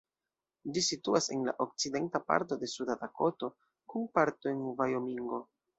Ĝi situas en la okcidenta parto de Suda Dakoto, kun parto en Vajomingo.